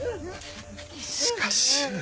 しかし。